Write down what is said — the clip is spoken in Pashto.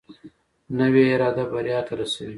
نوې اراده بریا ته رسوي